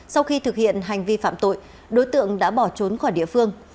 sau khi thực hiện hành vi phạm tội đối tượng đã bỏ trốn khỏi địa phương